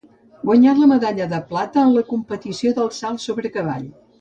Guanyà la medalla de plata en la competició del salt sobre cavall.